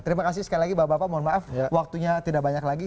terima kasih sekali lagi bapak bapak mohon maaf waktunya tidak banyak lagi